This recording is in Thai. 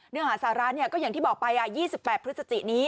เนื้อหาสาระก็อย่างที่บอกไป๒๘พฤศจินี้